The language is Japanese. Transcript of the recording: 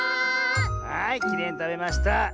はいきれいにたべました！